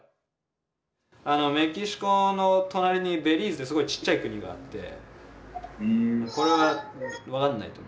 メキシコの隣にベリーズってすごいちっちゃい国があってこれは分かんないと思う。